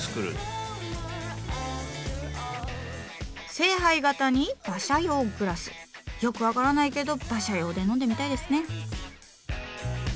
聖杯形に馬車用グラス⁉よく分からないけど馬車用で飲んでみたいですね。